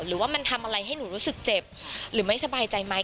หรือว่ามันทำอะไรให้หนูรู้สึกเจ็บหรือไม่สบายใจไหม